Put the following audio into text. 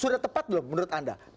sudah tepat belum menurut anda